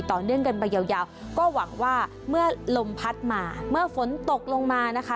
เนื่องกันไปยาวก็หวังว่าเมื่อลมพัดมาเมื่อฝนตกลงมานะคะ